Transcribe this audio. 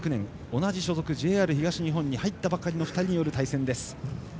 同じ所属ＪＲ東日本に入ったばかりの２人による対戦。